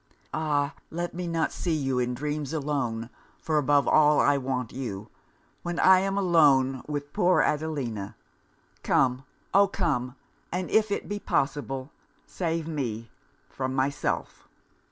'Ah! let me not see you in dreams alone; for above all I want you "when I am alone with poor Adelina." Come, O come; and if it be possible save me from myself!